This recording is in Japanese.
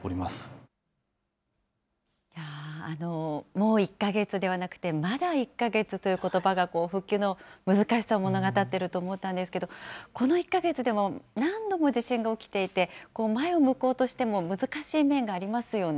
もう１か月ではなくて、まだ１か月ということばが復旧の難しさを物語っていると思ったんですけれども、この１か月でも何度も地震が起きていて、前を向こうとしても難しい面がありますよね。